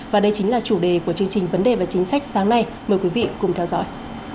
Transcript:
và đây chính là chủ đề của chương trình vấn đề và chính sách sáng nay mời quý vị cùng theo dõi